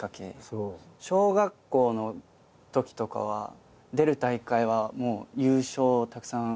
小学校のときとかは出る大会は優勝たくさん。